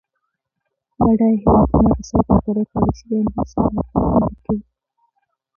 بډایه هیوادونه د سوداګرۍ پالیسي د انحصار لپاره عملي کوي.